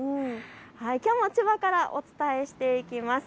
きょうも千葉からお伝えしていきます。